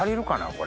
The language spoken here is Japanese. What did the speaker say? これ。